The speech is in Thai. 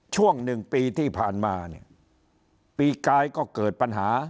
ช่วง๑ปีที่ผ่านมาปีกายก็เกิดปัญหา